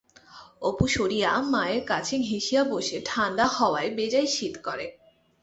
অপু সরিয়া মায়ের কাছে ঘেঁষিয়া বসে-ঠাণ্ডা হাওয়ায় বেজায় শীত করে।